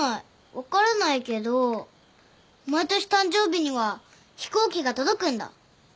分からないけど毎年誕生日には飛行機が届くんだ。